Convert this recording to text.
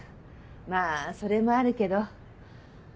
まぁそれもあるけど。